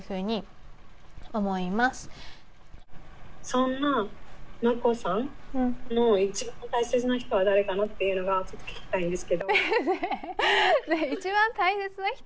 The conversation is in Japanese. そんな真子さんの一番大切な人は誰かなっていうのがちょっと聞きたいんですけど一番大切な人？